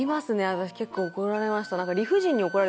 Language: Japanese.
私結構怒られました。